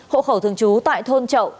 hộ khẩu thương chú tại thôn chậu